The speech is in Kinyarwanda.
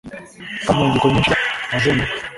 kandi inyandiko nyinshi zera azenguruka,